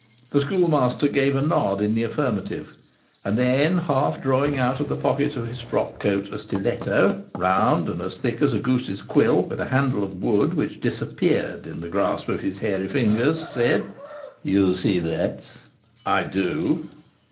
The Schoolmaster gave a nod in the affirmative, and then, half drawing out of the pocket of his frock coat a stiletto, round and as thick as a goose's quill, with a handle of wood which disappeared in the grasp of his hairy fingers, said: "You see that?" "I do."